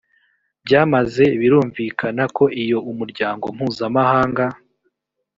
byamaze birumvikana ko iyo umuryango mpuzamahanga